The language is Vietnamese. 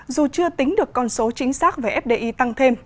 dù chưa tính được con số chính xác về fdi tăng thêm